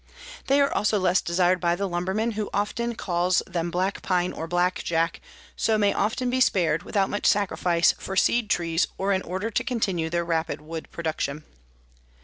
They are also less desired by the lumberman, who often calls them black pine or black jack, so may often be spared, without much sacrifice, for seed trees or in order to continue their rapid wood production.